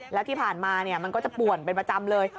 แล้วที่ผ่านมามันก็จะป่วนเป็นประจำเลย